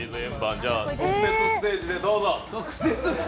特設ステージでどうぞ。